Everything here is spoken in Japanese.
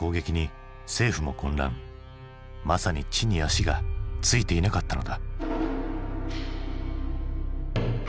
まさに地に足がついていなかったのだ。